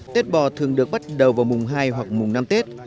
tết bò thường được bắt đầu vào mùng hai hoặc mùng năm tết